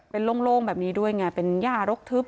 เป็นโล่งแบบนี้ด้วยไงเป็นย่ารกทึบ